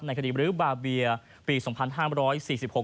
คดีบรื้อบาเบียปีสองพันห้ามร้อยสี่สิบหก